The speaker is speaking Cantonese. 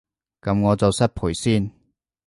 噉我就失陪先